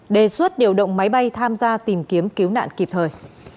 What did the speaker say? đề xuất điều động máy bay tham gia tìm kiếm cứu nạn kịp thời